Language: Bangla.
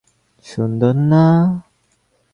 সুন্দর, না?